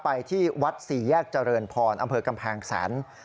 ไปที่วัดสี่แยกเจริญพรอำเภอกำแพงแสน